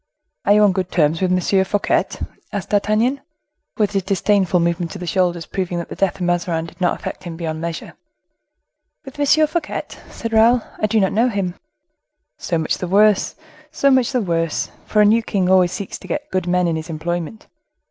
"Are you on good terms with M. Fouquet?" asked D'Artagnan, with a disdainful movement of the shoulders, proving that the death of Mazarin did not affect him beyond measure. "With M. Fouquet?" said Raoul; "I do not know him." "So much the worse! so much the worse! for a new king always seeks to get good men in his employment."